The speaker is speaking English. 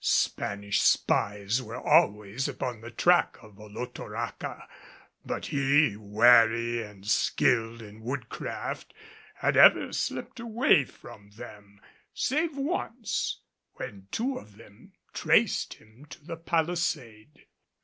Spanish spies were always upon the track of Olotoraca; but he, wary and skilled in woodcraft, had ever slipped away from them, save once, when two of them traced him to the palisade.